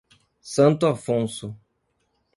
Santo Afonso